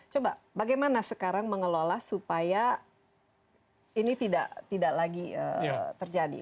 coba bagaimana sekarang mengelola supaya ini tidak lagi terjadi